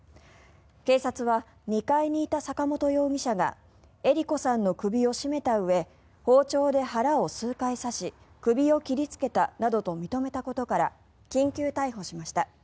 警察は２階にいた坂本容疑者がえり子さんの首を絞めたうえ包丁で腹を数回刺し首を切りつけたなどと認めたことから緊急逮捕しました。